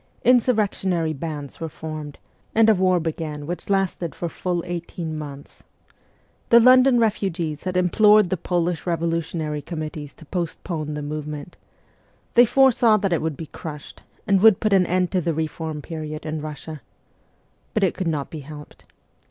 Insurrectionary bands were formed, and a war began which lasted for full eighteen months. The London SIBERIA 203 refugees had implored the Polish revolutionary com mittees to postpone the movement. They foresaw that it would be crushed, and would put an end to the reform period in Kussia. But it could not be helped.